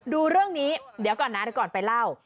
ดูเรื่องนี้เดี๋ยวก่อนนะเดี๋ยวก่อนไปเล่า